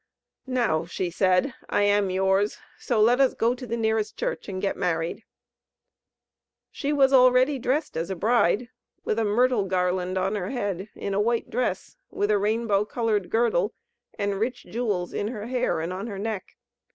"Now," she said: "I am yours; so let us go to the nearest church and get married." She was already dressed as a bride, with a myrtle garland on her head, in a white dress, with a rainbow coloured girdle, and rich jewels in her hair and on her neck.